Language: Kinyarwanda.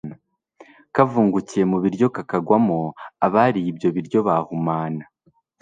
kavungukiye mu biryo kakagwamo, abariye ibyo biryo bahumana